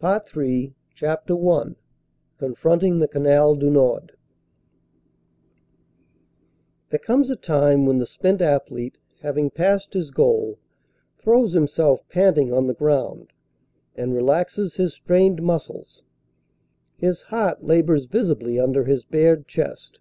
CAMBRAI CAMBRAI CHAPTER I CONFRONTING THE CANAL DU NORD THERE comes a time when the spent athlete, having passed his goal, throws himself panting on the ground and relaxes his strained muscles; his heart labors visibly under his bared chest.